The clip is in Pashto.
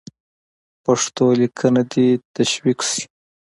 پښتو لیکنه دې تشویق سي.